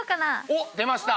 おっ出ました。